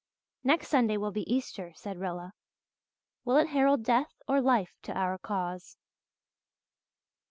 '" "Next Sunday will be Easter," said Rilla. "Will it herald death or life to our cause?"